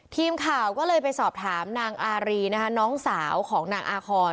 ทีมข่าวก็เลยไปสอบถามนางอารีนะคะน้องสาวของนางอาคอน